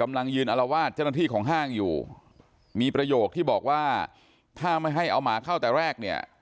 กำลังยืนอลวาดเจ้าหน้าที่ของห้างอยู่มีประโยคที่บอกว่าถ้าไม่ให้เอาหมาเข้าแต่แรกเนี่ย